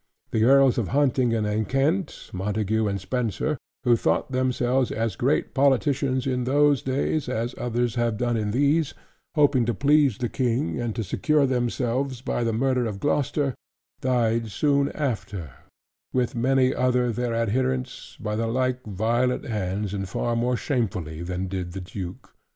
The Earls of Huntingdon and Kent, Montagu and Spencer, who thought themselves as great politicians in those days as others have done in these: hoping to please the King, and to secure themselves, by the murder of Gloucester; died soon after, with many other their adherents, by the like violent hands; and far more shamefully than did that duke.